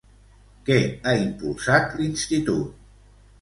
Què ha impulsat l'Institut?